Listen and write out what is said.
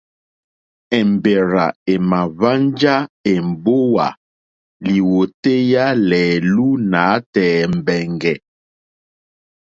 Èmbèrzà èmà hwánjá èmbówà lìwòtéyá lɛ̀ɛ̀lú nǎtɛ̀ɛ̀ mbɛ̀ngɛ̀.